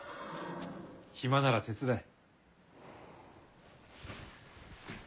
暇なら手伝え。